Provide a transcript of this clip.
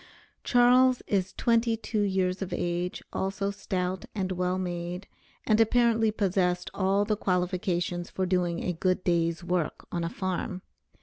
Charles is twenty two years of age, also stout, and well made, and apparently possessed all the qualifications for doing a good day's work on a farm.